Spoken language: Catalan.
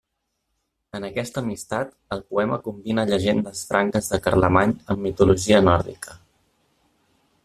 En aquesta amistat, el poema combina llegendes franques de Carlemany amb mitologia nòrdica.